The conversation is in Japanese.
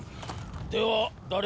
では誰か。